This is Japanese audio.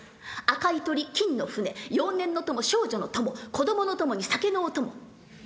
「赤い鳥」「金の船」「幼年の友」「少女の友」「子供之友」に酒のお供。